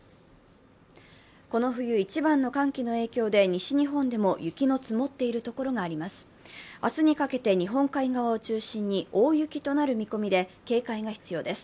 この冬一番の寒気の影響で西日本でも雪の積もっている所があります。